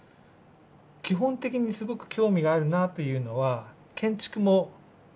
基本的にすごく興味があるなというのは建築も同じなんですね。